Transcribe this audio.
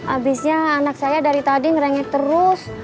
abisnya anak saya dari tadi ngerenget terus